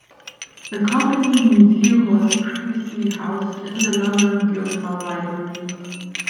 The Company museum was previously housed in the London Guildhall Library.